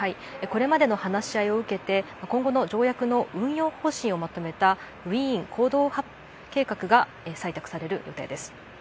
これまでの話し合いを受けて今後の条約の運用方針をまとめたウィーン行動計画が採択される予定です。